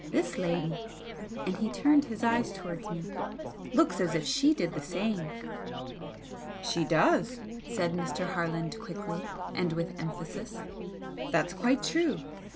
This lady," and he turned his eyes towards me "looks as if she did the same!" "She does!" said Mr. Harland, quickly, and with emphasis "That's quite true!